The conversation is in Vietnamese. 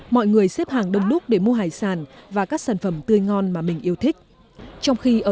mọi người xếp hàng đông đúc để mua hải sản và các sản phẩm tươi ngon mà mình yêu thích trong khi ở